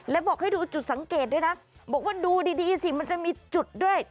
แล้วบอกให้ดูจุดสังเกตด้วยนะบอกว่าดูดีสิมันจะมีจุดด้วย